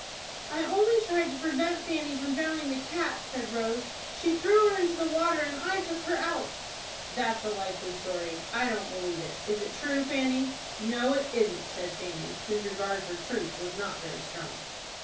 "I only tried to prevent Fanny from drowning the cat," said Rose. "She threw her into the water, and I took her out." "That's a likely story. I don't believe it. Is it true, Fanny?" "No, it isn't," said Fanny, whose regard for truth was not very strong.